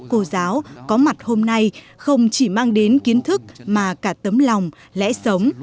cô giáo có mặt hôm nay không chỉ mang đến kiến thức mà cả tấm lòng lẽ sống